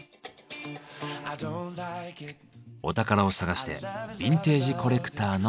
お宝を探してビンテージコレクターのお宅へ。